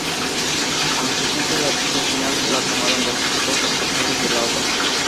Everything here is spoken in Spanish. Aunque siempre la decisión final la tomarán los equipos responsables de la obra.